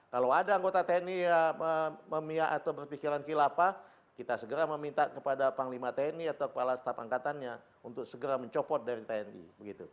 kalau ada anggota tni yang memiak atau berpikiran kilapa kita segera meminta kepada panglima tni atau kepala staf angkatannya untuk segera mencopot dari tni